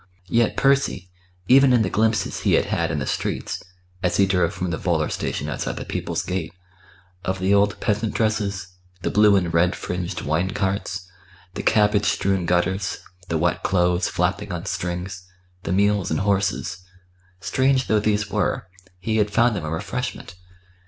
Yet Percy, even in the glimpses he had had in the streets, as he drove from the volor station outside the People's Gate, of the old peasant dresses, the blue and red fringed wine carts, the cabbage strewn gutters, the wet clothes flapping on strings, the mules and horses strange though these were, he had found them a refreshment.